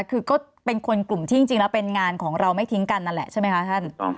คือก็เป็นคนกลุ่มที่จริงแล้วเป็นงานของเราไม่ทิ้งกันนั่นแหละใช่ไหมคะท่าน